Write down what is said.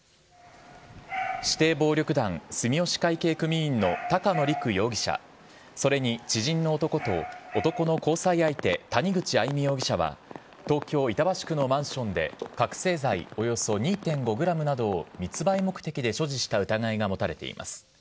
指定暴力団住吉会系組員の、高野陸容疑者、それに知人の男と男の交際相手、谷口愛美容疑者は東京・板橋区のマンションで、覚醒剤およそ２．５グラムなどを密売目的で所持した疑いが持たれています。